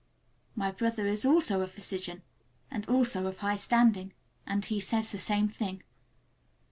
My brother is also a physician, and also of high standing, and he says the same thing.